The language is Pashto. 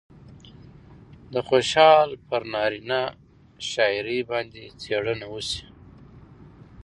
د خوشال پر نارينه شاعرۍ باندې څېړنه وشي